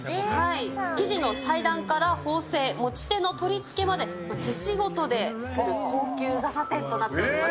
生地の裁断から縫製、持ち手の取り付けまで、手仕事で作る高級傘店となっております。